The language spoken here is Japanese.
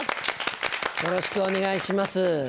よろしくお願いします。